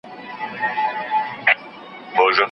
تاسي به سبا سهار خپل ټول کارونه په کتابچه کي لیست کړئ.